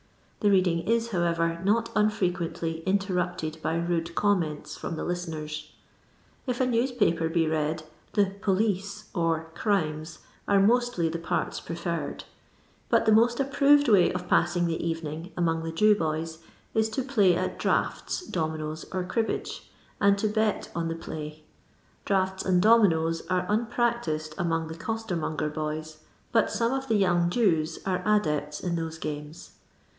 The reading is, however, not unfire quently interrupted by rude commento from the listeners. If a newspaper be read, the "police," or "crimes," are mostly the poru preferred. But the most approved way of passing the evening, among the Jew boys, is to play at drauffhts, do minoes, or cribbage, and to bet on the pbky. Draughts and dominoes are unpractised among the costermonger boys, but some of the young Jews are adepts in those games.